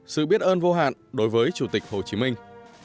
sự biết ơn vô hạn đối với chủ tịch hồ chí minh